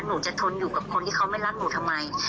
หนูจะทนอยู่กับคนที่เขาไม่รักหนูทำไม